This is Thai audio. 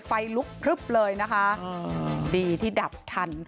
ไฟลุกพลึบเลยนะคะดีที่ดับทัน